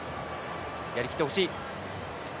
やりきってほしい。